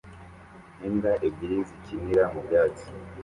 Imbwa ebyiri zikinira mu byatsi